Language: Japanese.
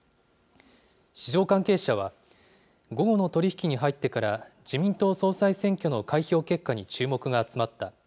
市場関係者は、午後の取り引きに入ってから、自民党総裁選挙の開票結果に注目が集まった。